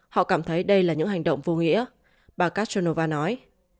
họ cảm thấy đây là những hành động vô nghĩa bà carnova nói